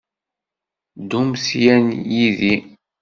Ddumt yan yid-i.